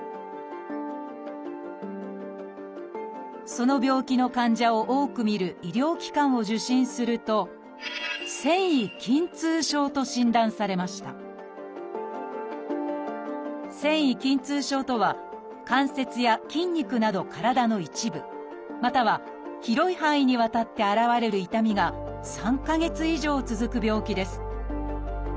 その病気の患者を多く診る医療機関を受診すると「線維筋痛症」と診断されました「線維筋痛症」とは関節や筋肉など体の一部または広い範囲にわたって現れる痛みが３か月以上続く病気です